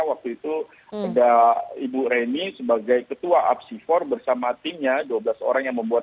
waktu itu ada ibu reni sebagai ketua apsifor bersama timnya dua belas orang yang membuat